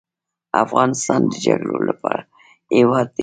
افغانستان د جګړو هیواد دی